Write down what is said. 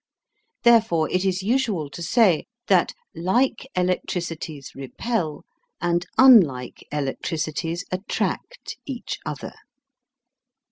Therefore it is usual to say that LIKE ELECTRICITIES REPEL AND UNLIKE ELECTRICITIES ATTRACT EACH OTHER.